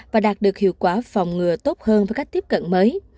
và đạt được hiệu quả phòng ngừa tốt hơn với cách tiếp cận mới